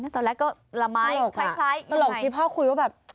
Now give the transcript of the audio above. ตอนแรกก็ละไม้คล้ายตลกที่พ่อคุยว่าแบบ